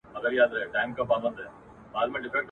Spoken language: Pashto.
محتسب را سي و انتقام ته ..